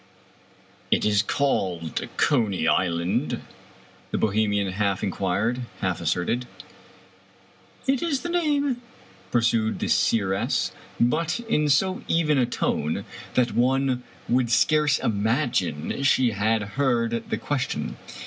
" It is called Coney Island ?" the Bohemian half in quired, half asserted. " It is the name," pursued the seeress, but in so even a tone that one would scarce imagine she had heard the question.